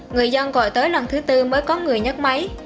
người dân gọi tới lần thứ tư mới có người nhắc máy